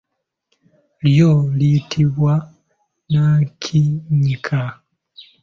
Lyo liyitibwa nnakinnyika.